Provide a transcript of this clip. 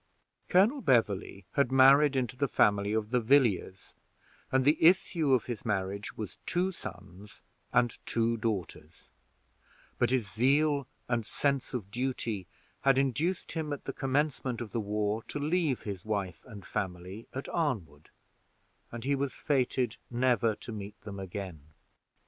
Colonel Beverley had married into the family of the Villiers, and the issue of his marriage was two sons and two daughters; but his zeal and sense of duty had induced him, at the commencement of the war, to leave his wife and family at Arnwood, and he was fated never to meet them again.